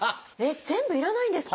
全部要らないんですか？